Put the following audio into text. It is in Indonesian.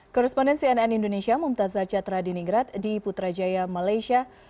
korrespondensi nn indonesia mumtazah catra dinigrat di putrajaya malaysia